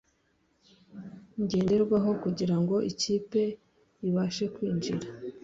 Ngenderwaho kugira ngo ikipe ibashe kwinjira